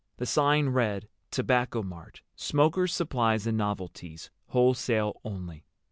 The sign read TOBACCO MART—Smokers' Supplies and Novelties—WHOLESALE ONLY.